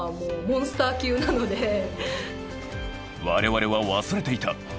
我々は忘れていた。